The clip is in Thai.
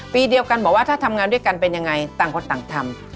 ปีเดียวกันบอกว่าถ้าทำงานด้วยกันเป็นยังไงต่างคนต่างทำ